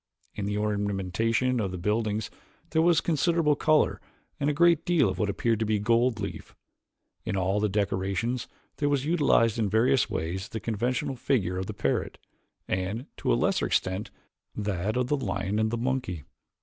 In the ornamentation of the buildings there was considerable color and a great deal of what appeared to be gold leaf. In all the decorations there was utilized in various ways the conventional figure of the parrot, and, to a lesser extent, that of the lion and the monkey.